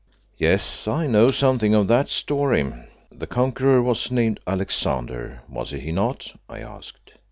"Yes, I know something of that story; the conqueror was named Alexander, was he not?" I asked.